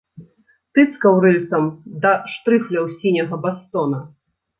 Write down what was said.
Тыцкаў рыльцам да штрыфляў сіняга бастона.